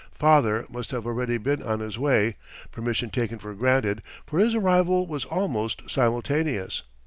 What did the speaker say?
Father must have already been on his way, permission taken for granted, for his arrival was almost simultaneous.